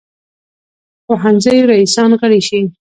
پوهنځیو رییسان غړي شي.